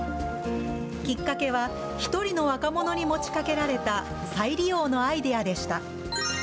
きっかけは、１人の若者に持ちかけられた再利用のアイデアでした。